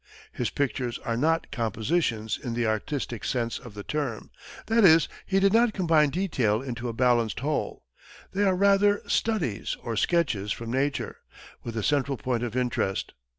His pictures are not "compositions," in the artistic sense of the term that is, he did not combine detail into a balanced whole; they are rather studies or sketches from nature, with a central point of interest.